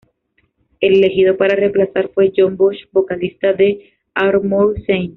El elegido para reemplazarle fue John Bush, vocalista de Armored Saint.